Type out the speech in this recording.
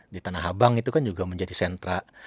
di tanah abang itu kan juga menjadi sentra